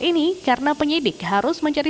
ini karena penyidik harus mencari